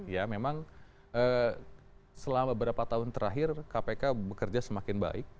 ya memang selama beberapa tahun terakhir kpk bekerja semakin baik